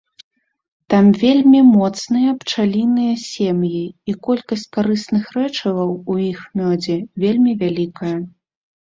Там вельмі моцныя пчаліныя сем'і, і колькасць карысных рэчываў у іх мёдзе вельмі вялікая.